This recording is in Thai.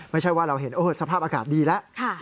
ไม่ใช่ว่าเราเห็นสภาพอากาศดีแล้ว